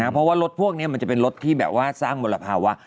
เพราะว่ารถพวกนี้มันจะเป็นรถที่แบบว่าสร้างมลภาวะ